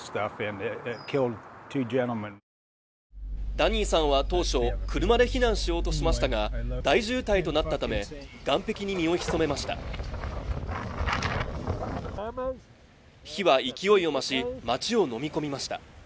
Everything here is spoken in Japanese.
ダニーさんは当初車で避難しようとしましたが大渋滞となったため岸壁に身を潜めました火は勢いを増し町を飲み込みました